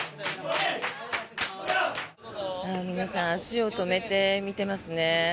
皆さん、足を止めて見てますね。